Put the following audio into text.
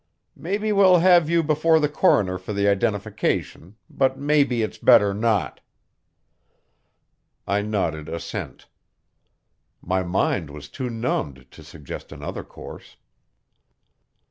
Maybe we'll have you before the coroner for the identification, but maybe it's better not." I nodded assent. My mind was too numbed to suggest another course.